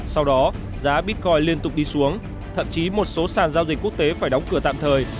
sau đó giá bitcoin liên tục đi xuống thậm chí một số sàn giao dịch quốc tế phải đóng cửa tạm thời